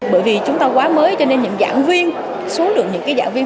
bởi vì chúng ta quá mới cho nên những giảng viên số lượng những giảng viên